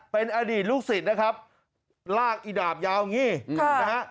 เป็นอดีตลูกศิษย์นะครับลากอีดาบยาวอย่างนี้นะฮะ